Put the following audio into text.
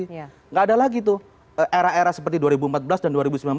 tidak ada lagi tuh era era seperti dua ribu empat belas dan dua ribu sembilan belas